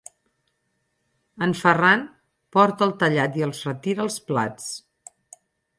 En Ferran porta el tallat i els retira els plats.